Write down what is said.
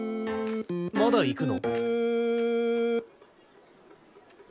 まだ行くの？